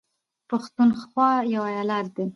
پښنونخوا يو ايالت دى